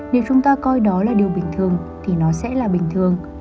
nếu chúng ta coi đó là điều bình thường thì nó sẽ là bình thường